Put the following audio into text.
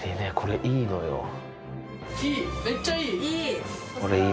いい、めっちゃいい。